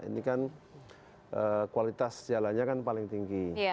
ini kan kualitas jalannya kan paling tinggi